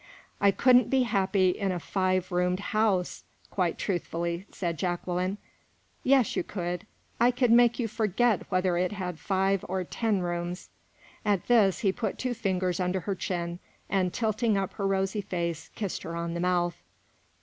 "I couldn't be happy in a five roomed house," quite truthfully said Jacqueline. "Yes, you could. I could make you forget whether it had five or ten rooms." At this, he put two fingers under her chin, and, tilting up her rosy face, kissed her on the mouth.